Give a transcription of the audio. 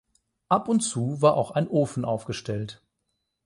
Ab und zu war auch ein Ofen aufgestellt.